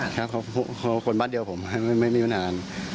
กลัวบ้านเดียวผมไม่มีปัญหา